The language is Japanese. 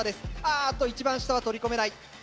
あっと一番下は取り込めない。